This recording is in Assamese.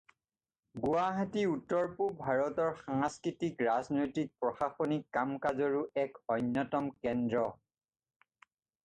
গুৱাহাটী উত্তৰ পূব ভাৰতৰ সাংস্কৃতিক, ৰাজনৈতিক, প্ৰশাসনিক কাম-কাজৰো এক অন্যতম কেন্দ্ৰ।